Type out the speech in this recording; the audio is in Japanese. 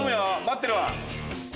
待ってる。